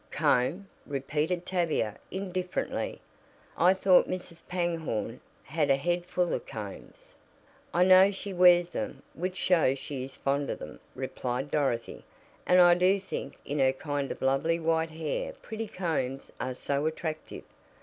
"Comb?" repeated Tavia indifferently. "I thought Mrs. Pangborn had a head full of combs." "I know she wears them, which shows she is fond of them," replied Dorothy, "and I do think in her kind of lovely white hair pretty combs are so attractive.